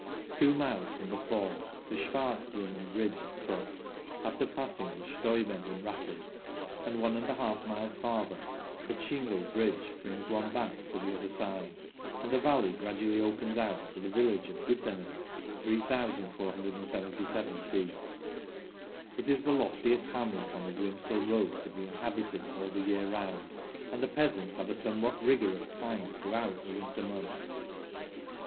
Two miles from the Fall the Schwarzbrunnen bridge is crossed, after passing the Staubenden rapids, and i J miles farther the Tschingel bridge brings one back to the other side, and the valley gradually opens out to the village of Guttannen (3,477 ft.). It is the loftiest hamlet on the Grimsel road to be THE GRIMSEL 143 inhabited all the year round, and the peasants have a somewhat rigorous time throughout the winter months.